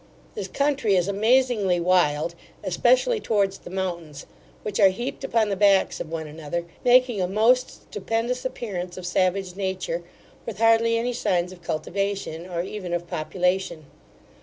This country is amazingly wild, especially towards the mountains, which are heaped upon the backs of one another, making a most stupendous appearance of savage nature, with hardly any signs of cultivation, or even of population.